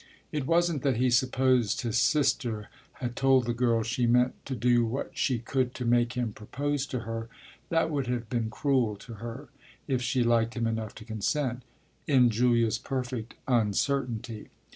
It wasn't that he supposed his sister had told the girl she meant to do what she could to make him propose to her: that would have been cruel to her if she liked him enough to consent in Julia's perfect uncertainty.